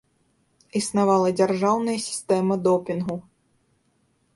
Існавала дзяржаўная сістэма допінгу.